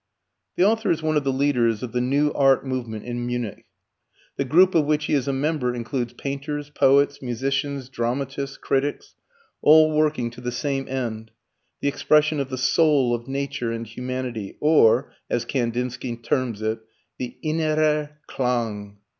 The author is one of the leaders of the new art movement in Munich. The group of which he is a member includes painters, poets, musicians, dramatists, critics, all working to the same end the expression of the SOUL of nature and humanity, or, as Kandinsky terms it, the INNERER KLANG.